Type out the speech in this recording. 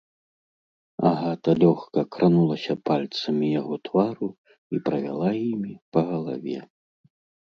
Агата лёгка кранулася пальцамі яго твару і правяла імі па галаве.